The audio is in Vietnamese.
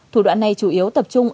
thủ đoạn này chủ yếu tập trung